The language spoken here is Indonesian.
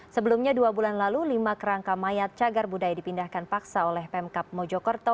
sebelumnya dua bulan lalu lima kerangka mayat cagar budaya dipindahkan paksa oleh pemkap mojokerto